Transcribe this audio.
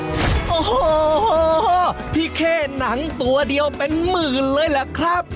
โอ้โหพี่เข้หนังตัวเดียวเป็นหมื่นเลยล่ะครับ